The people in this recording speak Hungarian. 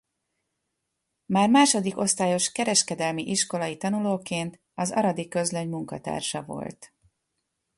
Már második osztályos kereskedelmi iskolai tanulóként az Aradi Közlöny munkatársa volt.